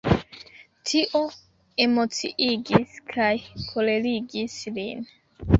Tio emociigis kaj kolerigis lin.